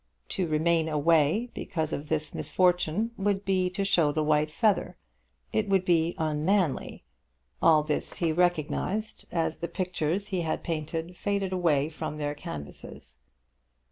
To remain away because of this misfortune would be to show the white feather. It would be unmanly. All this he recognised as the pictures he had painted faded away from their canvases.